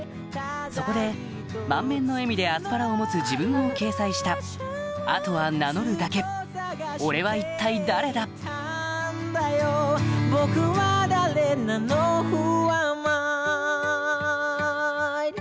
そこで満面の笑みでアスパラを持つ自分を掲載したあとは名乗るだけ俺は一体誰だ？ギョギョギョ！って。